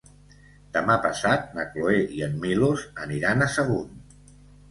Demà passat na Cloè i en Milos aniran a Sagunt.